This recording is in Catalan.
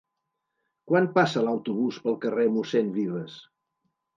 Quan passa l'autobús pel carrer Mossèn Vives?